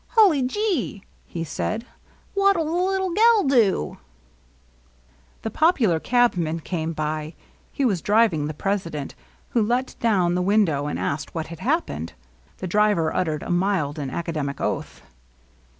"Hully gee!" he said. "What '11 the Uttle gell dew ?" The popular cabman came by; he was driving the president, who let down the window and asked what had happened. The driver uttered a mild and academic oath.